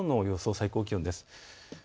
最高気温です。